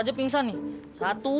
aja pingsan nih satu